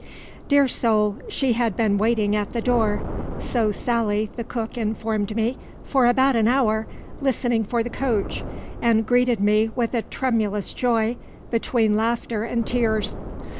Dear soul, she had been waiting at the door so Sally, the cook, informed me for about an hour, listening for the coach, and greeted me with a tremulous joy between laughter and tears.